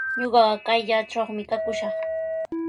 Ñuqaqa kayllatrawmi kakushaq.